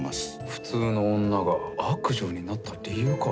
普通の女が悪女になった理由か。